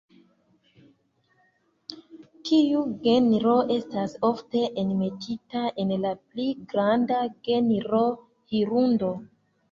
Tiu genro estas ofte enmetita en la pli granda genro "Hirundo".